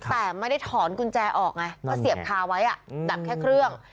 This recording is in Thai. แต่ไม่ได้ถอนกุญแจออกไงก็เสียบคาไว้ดับแค่เครื่อง